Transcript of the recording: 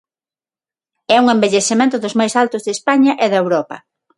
É un envellecemento dos máis altos de España e de Europa.